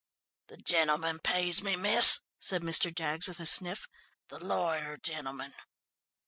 "The gentleman pays me, miss," said Mr. Jaggs with a sniff. "The lawyer gentleman."